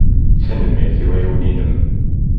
Tanemmirt i uɛiwen-inem.